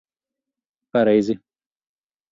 Pareizi.